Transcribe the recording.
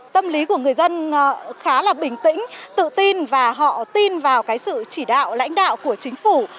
tâm lý của người dân khá là bình tĩnh tự tin và họ tin vào cái sự chỉ đạo lãnh đạo của chính phủ